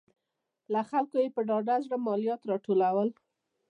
له خلکو یې په ډاډه زړه مالیات راټولول.